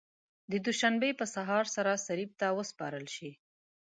د دوشنبې په سهار سره صلیب ته وسپارل شي.